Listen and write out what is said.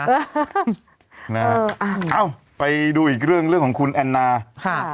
เอาไปดูอีกเรื่องเรื่องของคุณอนาค่ะ